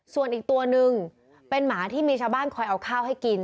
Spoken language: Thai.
ส่วนอีกตัวนึงเป็นหมาที่มีชาวบ้านคอยเอาข้าวให้กิน